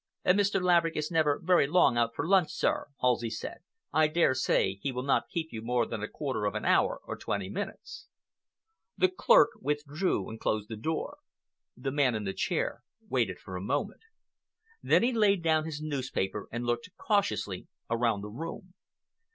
"Mr. Laverick is never very long out for lunch, sir," Halsey said. "I daresay he will not keep you more than a quarter of an hour or twenty minutes." The clerk withdrew and closed the door. The man in the chair waited for a moment. Then he laid down his newspaper and looked cautiously around the room.